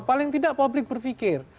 paling tidak publik berpikir